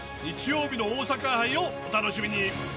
日曜日の大阪杯をお楽しみに。